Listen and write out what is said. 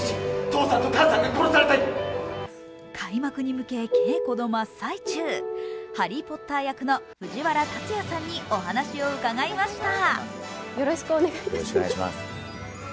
開幕に向け稽古の真っ最中、ハリーポッター役の藤原竜也さんにお話を伺いました。